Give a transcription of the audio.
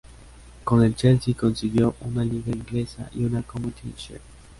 Con el Chelsea consiguió una Liga inglesa y una Community Shield.